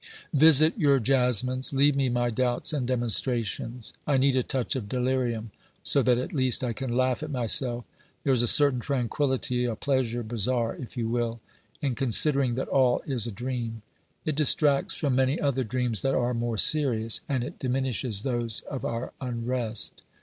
Visit your jasmines ; leave me my doubts and demon strations. I need a touch of delirium, so that at least I can laugh at myself; there is a certain tranquillity, a pleasure, bizarre if you will, in considering that all is a dream. It distracts from many other dreams that are more serious, and it diminishes those of our unrest.